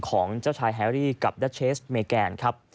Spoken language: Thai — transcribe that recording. ของเจ้าชายแฮรี่กับดัชเชสเมแกนครับ